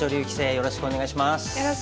よろしくお願いします。